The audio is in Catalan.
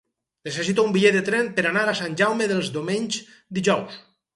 Necessito un bitllet de tren per anar a Sant Jaume dels Domenys dijous.